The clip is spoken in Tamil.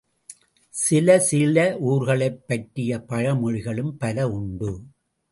சில சில ஊர்களைப் பற்றிய பழமொழிகளும் பல உண்டு.